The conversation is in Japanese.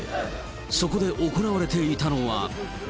そこで行われていたのは。